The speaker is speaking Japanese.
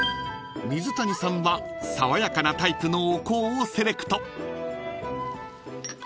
［水谷さんは爽やかなタイプのお香をセレクト］